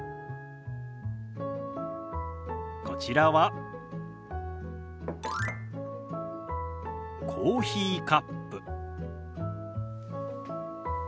こちらはコーヒーカップ。